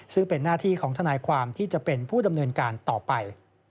ซึ่งเป็นหน้าที่ของทนายความที่จะเป็นผู้ดำเนินการต่อไป